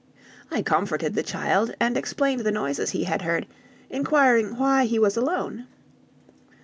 I comforted the child, and explained the noises he had heard, inquiring why he was alone?